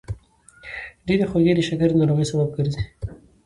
ډېرې خوږې د شکرې ناروغۍ سبب ګرځي.